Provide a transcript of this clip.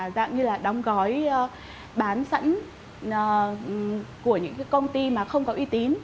dạng như là đóng gói bán sẵn của những công ty mà không có uy tín